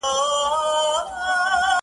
دا په جرګو کي د خبرو قدر څه پیژني-